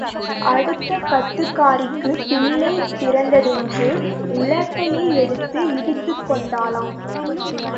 அடுத்தகத்துக்காரிக்குப் பிள்ளை பிறந்ததென்று உலக்கையை எடுத்து இடித்துக்கொண்டாளாம்.